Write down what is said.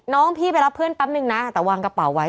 น้องพี่ไปรับเพื่อนแป๊บนึงนะแต่วางกระเป๋าไว้